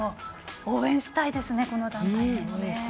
応援したいですね、この団体戦も。